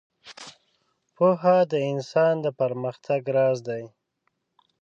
• پوهه د انسان د پرمختګ راز دی.